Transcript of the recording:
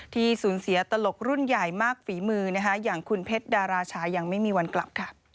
ที่สูญเสียตลกรุ่นใหญ่มากฝีมืออย่างคุณเพชรดาราชายังไม่มีวันกลับ